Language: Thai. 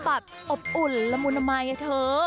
แบบอบอุ่นละมุนมัยไงเธอ